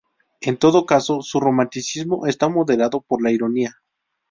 En todo caso, su romanticismo está moderado por la ironía.